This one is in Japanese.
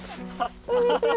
こんにちは。